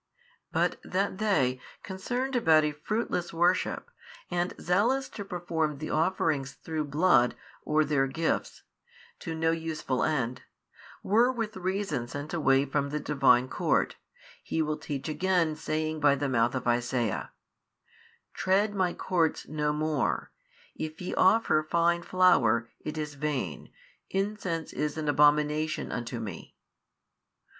But that they concerned about a fruitless worship, and zealous to perform the offerings through blood, or their gifts, to no useful end, were with reason sent away from the Divine court, He will teach again saying by the mouth of Isaiah, Tread My courts no more: if ye offer fine flour, it is vain, incense is an abomination unto Me.